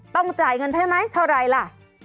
ต้องจ่ายเงินให้ไหมเท่าไรล่ะ